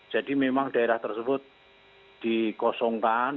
jadi memang daerah tersebut dikosongkan